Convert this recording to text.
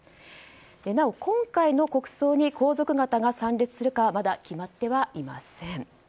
なお、今回の国葬に皇族方が参列するかまだ決まってはいません。